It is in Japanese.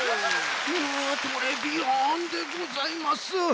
トレビアンでございます！